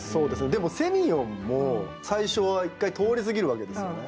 でもセミヨンも最初は１回通り過ぎるわけですよね。